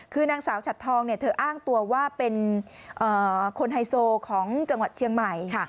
คือนางสาวฉัดทองเธออ้างตัวว่าเป็นคนไฮโซของจังหวัดเชียงใหม่